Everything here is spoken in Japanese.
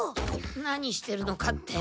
何してるのかって？